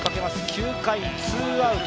９回ツーアウト。